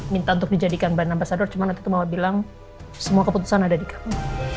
minta untuk dijadikan brand ambasador cuma itu mau bilang semua keputusan aja di kamu